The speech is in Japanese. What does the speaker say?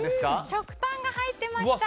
食パンが入ってました。